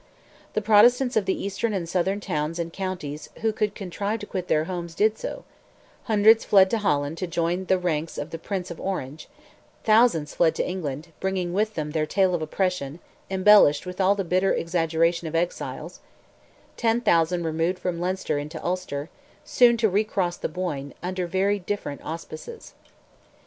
The Protestants of the eastern and southern towns and counties who could contrive to quit their homes, did so; hundreds fled to Holland to return in the ranks of the Prince of Orange; thousands fled to England, bringing with them their tale of oppression, embellished with all the bitter exaggeration of exiles; ten thousand removed from Leinster into Ulster, soon to recross the Boyne, under very different auspices.